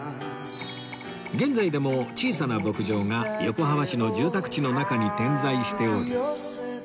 現在でも小さな牧場が横浜市の住宅地の中に点在しており